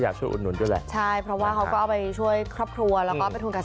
แล้วช่วงเสาร์อาทิตย์หนูก็จะขายบ้างค่ะ